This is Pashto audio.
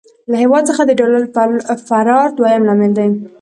له هېواد څخه د ډالر فرار دويم لامل دی.